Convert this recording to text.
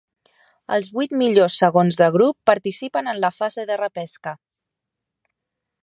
Els vuit millors segons de grup participen en la fase de repesca.